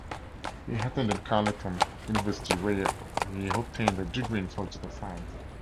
He attended Carleton University where he obtained a degree in political science.